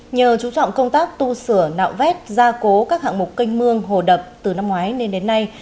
nhờ chú trọng công tác tu sửa nạo vét gia cố các hạng mục canh mương hồ đập từ năm ngoái nên đến nay